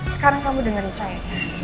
sekarang kamu dengan saya